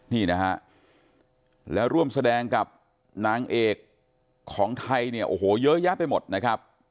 นี่นะฮะแล้วร่วมแสดงกับนางเอกของไทยเนี่ยโอ้โหเยอะแยะไปหมดนะครับ